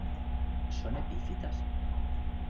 Son epífitas?